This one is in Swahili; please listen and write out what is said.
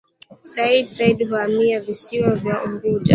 Sayyi Said kuhamia visiwa vya Unguja